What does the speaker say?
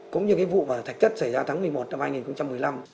cũng như cái vụ thạch thất xảy ra tháng một mươi một năm hai nghìn một mươi năm